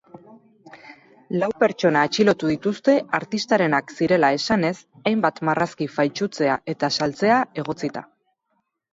Lau pertsona atxilotu dituzte artistarenak zirela esanez hainbat marrazki faltsutzea eta saltzea egotzita.